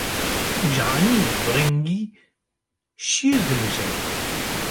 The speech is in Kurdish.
Caniyê viringî şîr dimije.